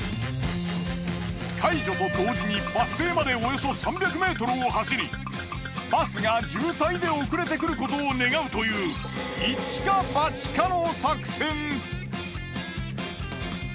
解除と同時にバス停までおよそ３００ｍを走りバスが渋滞で遅れてくることを願うという一か八かの作戦。